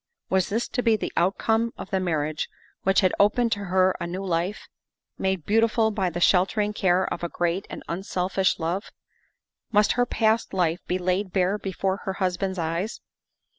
Was this to be the outcome of the marriage which had opened to her a new life, made beautiful by the sheltering care of a great and unselfish love? Must her past life be laid bare before her hus band's eyes?